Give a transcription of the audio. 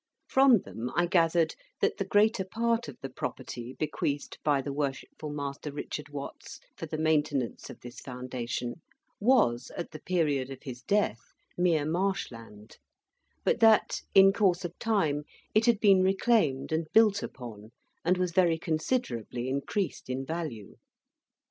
From them I gathered that the greater part of the property bequeathed by the Worshipful Master Richard Watts for the maintenance of this foundation was, at the period of his death, mere marsh land; but that, in course of time, it had been reclaimed and built upon, and was very considerably increased in value.